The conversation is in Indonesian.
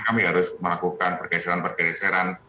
kami harus melakukan pergeseran pergeseran